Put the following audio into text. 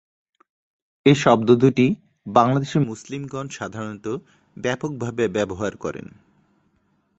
এ শব্দ দুটি বাংলাদেশের মুসলিমগণ সাধারণত ব্যাপকভাবে ব্যবহার করেন।